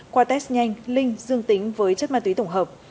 qua test nhanh linh dương tính với chất ma túy tổng hợp